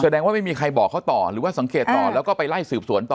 ว่าไม่มีใครบอกเขาต่อหรือว่าสังเกตต่อแล้วก็ไปไล่สืบสวนต่อ